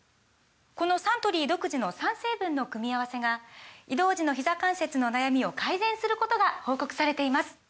このサントリー独自の３成分の組み合わせが移動時のひざ関節の悩みを改善することが報告されています